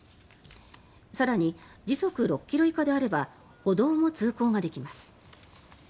更に、時速６ｋｍ以下であれば歩道も通行ができます。